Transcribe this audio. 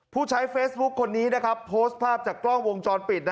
ผู้ใช้เฟซบุ๊คคนนี้โพสต์ภาพจากกล้องวงจรปิด